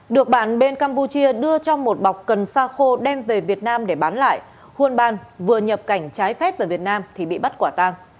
được bản bên campuchia đưa cho một bọc cần xa khô đem về việt nam để bán lại huân ban vừa nhập cảnh trái phép từ việt nam thì bị bắt quả tang